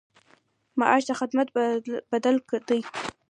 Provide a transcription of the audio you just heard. معاش د خدمت بدل دی